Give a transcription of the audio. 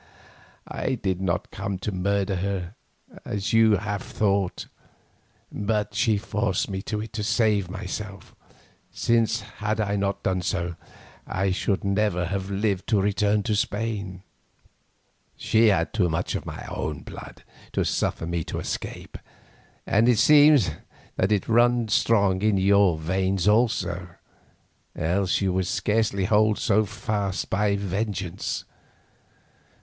I did not come to murder her as you may have thought, but she forced me to it to save myself, since had I not done so, I should never have lived to return to Spain. She had too much of my own blood to suffer me to escape, and it seems that it runs strong in your veins also, else you would scarcely hold so fast by vengeance.